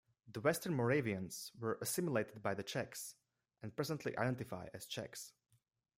The western Moravians were assimilated by the Czechs and presently identify as Czechs.